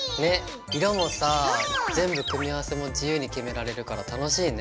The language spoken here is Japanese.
色もさ全部組み合わせも自由に決められるから楽しいね。